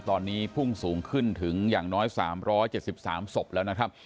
ตอนนี้พุ่งสูงขึ้นถึงอย่างน้อย๓๗๓ศพแล้วนะครับ